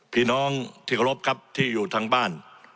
พี่น้องที่เคารพครับที่อยู่ทางบ้าน